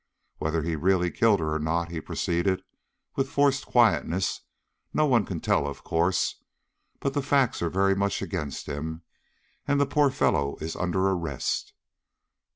Whether he really killed her or not," he proceeded, with forced quietness, "no one can tell, of course. But the facts are very much against him, and the poor fellow is under arrest."